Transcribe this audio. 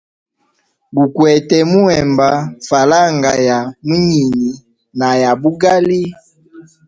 Gukwete muhemba falanga ya munyini na ya bugali.